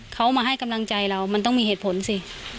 เขามาให้กำลังใจเรามันต้องมีเหตุผลสิ